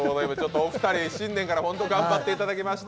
お二人新年から本当に頑張っていただきました。